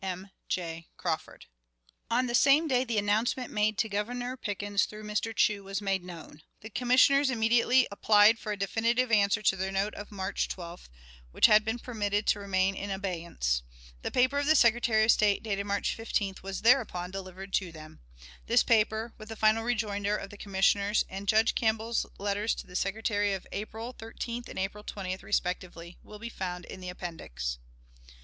"M. J. Crawford." On the same day the announcement made to Governor Pickens through Mr. Chew was made known. The Commissioners immediately applied for a definitive answer to their note of March 12th, which had been permitted to remain in abeyance. The paper of the Secretary of State, dated March 15th, was thereupon delivered to them. This paper, with the final rejoinder of the Commissioners and Judge Campbell's letters to the Secretary of April 13th and April 20th, respectively, will be found in the Appendix.